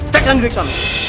cek dan diperiksa